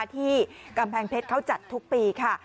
ที่กำแพงเพชรเขาจัดทุกปีค่ะ